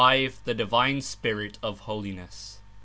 The Divine Spirit of Holiness.